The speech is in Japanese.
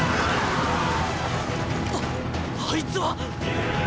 ⁉あっあいつはっ！